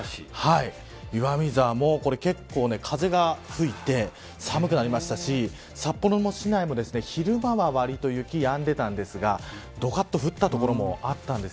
岩見沢も結構風が吹いて寒くなりましたし札幌市内の昼間はわりと雪がやんでいたんですがどかっと降った所もあったんです。